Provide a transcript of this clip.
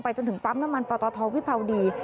ไปจนถึงปั๊มน้ำมันปลาตอท้อวิภาวดี